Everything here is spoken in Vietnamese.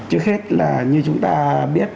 trước hết là như chúng ta biết